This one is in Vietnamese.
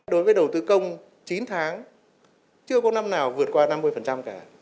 đối với đầu tư công chín tháng chưa có năm nào vượt qua năm mươi cả